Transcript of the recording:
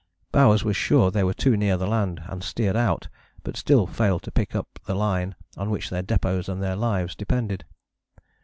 Bowers was sure they were too near the land and they steered out, but still failed to pick up the line on which their depôts and their lives depended.